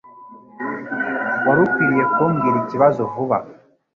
Wari ukwiye kumbwira ikibazo vuba